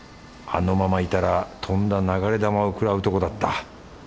あのままいたらとんだ流れ弾をくらうとこだった。